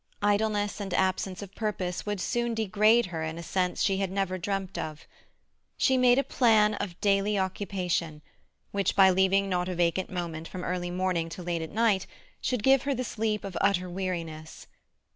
Idleness and absence of purpose would soon degrade her in a sense she had never dreamt of. She made a plan of daily occupation, which by leaving not a vacant moment from early morning to late at night, should give her the sleep of utter weariness.